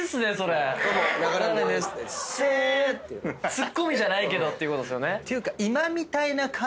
ツッコミじゃないけどっていうことですよね。